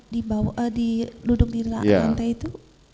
di duduk di lantai itu